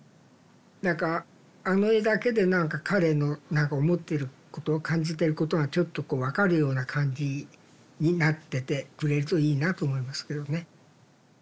何かあの絵だけで何か彼の思ってること感じてることがちょっとこうわかるような感じになっててくれるといいなと思いますけどね。